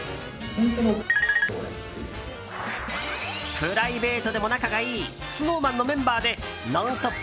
プライベートでも仲がいいＳｎｏｗＭａｎのメンバーで「ノンストップ！」